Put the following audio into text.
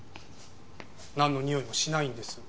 なんのにおいもしないんです。